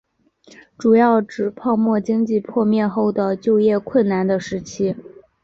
主要指泡沫经济破灭后的就业困难的时期。